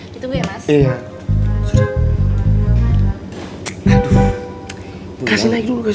ditunggu ya mas